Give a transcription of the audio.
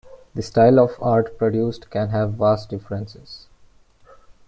The style of art produced can have vast differences.